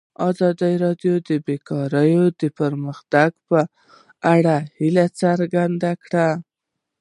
ازادي راډیو د بیکاري د پرمختګ په اړه هیله څرګنده کړې.